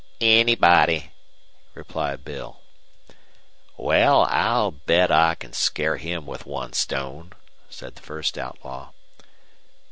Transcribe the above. "Anybody," replied Bill. "Wal, I'll bet you I can scare him with one stone," said the first outlaw.